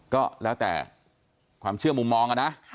ก็แล้วแต่ความเชื่อมุมมองนะ